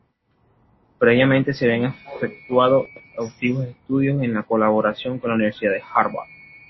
Previamente se habían efectuado exhaustivos estudios en colaboración con la Universidad de Harvard.